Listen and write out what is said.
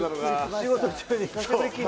仕事中に。